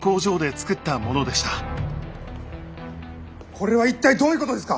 これは一体どういうことですか！